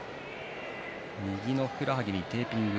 右のふくらはぎにテーピング。